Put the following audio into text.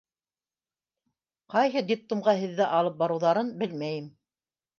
— Ҡайһы детдомға һеҙҙе алып барыуҙарын белмәйем.